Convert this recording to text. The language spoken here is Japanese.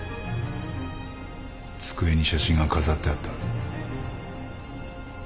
机に写真が飾ってあった。